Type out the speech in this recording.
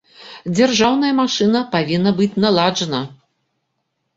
Дзяржаўная машына павінна быць наладжана.